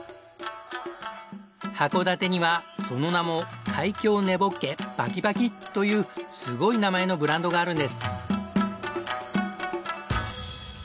函館にはその名も海峡根ボッケ・バキバキというすごい名前のブランドがあるんです。